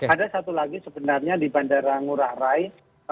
ada satu lagi sebenarnya di bandara ngurah rai